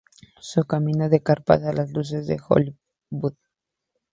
Su camino de carpas a las luces de Hollywood.